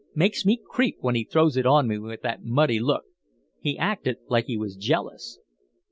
Makes me creep when he throws it on me with that muddy look. He acted like he was jealous."